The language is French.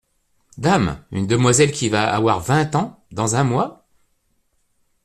Dame !… une demoiselle qui va avoir vingt ans… dans un mois…